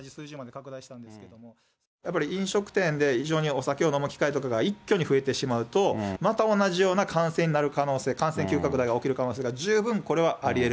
やっぱり飲食店で非常にお酒を飲む機会とかが一挙に増えてしまうと、また同じような感染になる可能性、感染急拡大が起きる可能性が十分これはありえる。